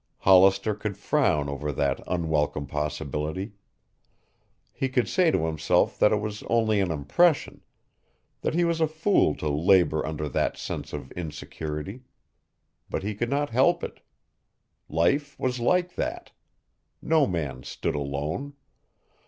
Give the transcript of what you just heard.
Hollister could frown over that unwelcome possibility. He could say to himself that it was only an impression; that he was a fool to labor under that sense of insecurity. But he could not help it. Life was like that. No man stood alone.